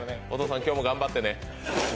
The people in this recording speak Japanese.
お父さん、今日も頑張ってね。